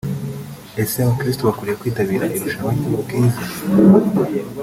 Ese abakristo bakwiriye kwitabira irushanwa ry'ubwiza